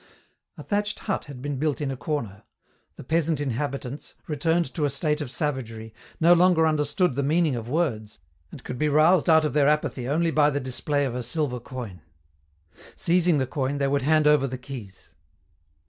A thatched hut had been built in a corner. The peasant inhabitants, returned to a state of savagery, no longer understood the meaning of words, and could be roused out of their apathy only by the display of a silver coin. Seizing the coin, they would hand over the keys.